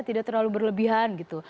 tidak terlalu berlebihan gitu